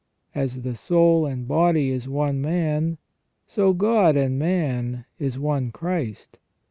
As the soul and body is one man, so God and man is one Christ.